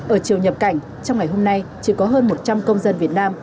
ở chiều nhập cảnh trong ngày hôm nay chỉ có hơn một trăm linh công dân việt nam